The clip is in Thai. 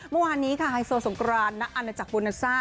เมื่อวานนี้ค่ะไฮโซสงกรานณอาณาจักรโบนาซ่า